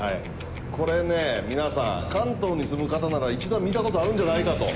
これね皆さん関東に住む方なら一度は見た事あるんじゃないかと。